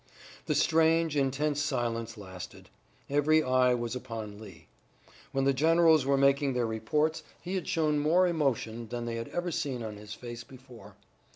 The strange, intense silence lasted. Every eye was upon Lee. When the generals were making their reports he had shown more emotion than they had ever seen on his face before.